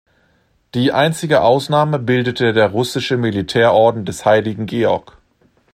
Die einzige Ausnahme bildete der Russische Militärorden des Heiligen Georg.